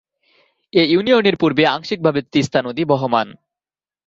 এ ইউনিয়নের পূর্বে আংশিকভাবে তিস্তা নদী বহমান।